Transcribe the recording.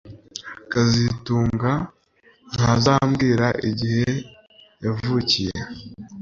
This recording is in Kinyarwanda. kazitunga ntazambwira igihe yavukiye